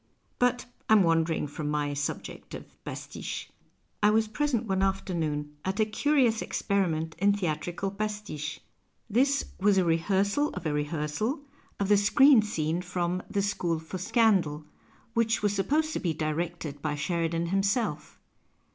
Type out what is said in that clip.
"' But I am wandering from my subject of pasticJie. I was present one afternoon at a curious experi ment in theatrical pastiche. This was a rehearsal 2 P A S T I C H E of a rehearsal of the screen scene from 2'hc School for Scandal, which was sujiposed to be directed by Sheridan himself.